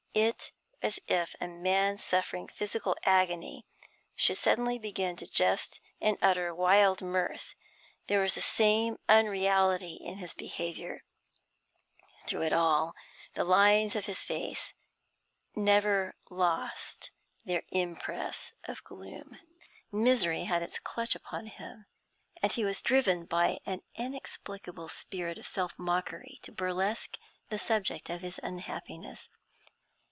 It was as if a man suffering physical agony should suddenly begin to jest and utter wild mirth; there was the same unreality in his behaviour. Throughout it all the lines of his face never lost their impress of gloom. Misery had its clutch upon him, and he was driven by an inexplicable spirit of self mockery to burlesque the subject of his unhappiness.